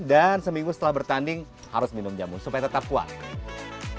dan seminggu setelah bertanding harus minum jamur supaya tetap kuat